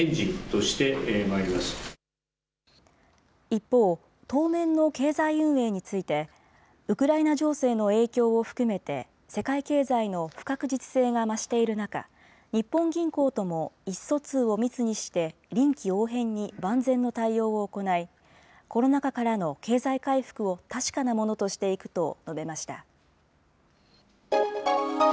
一方、当面の経済運営について、ウクライナ情勢の影響を含めて、世界経済の不確実性が増している中、日本銀行とも意思疎通を密にして、臨機応変に万全の対応を行い、コロナ禍からの経済回復を確かなものとしていくと述べました。